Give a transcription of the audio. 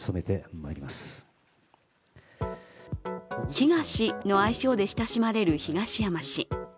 ヒガシの愛称で親しまれる東山氏。